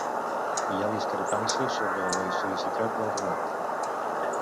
Hi ha discrepàncies sobre la historicitat del relat.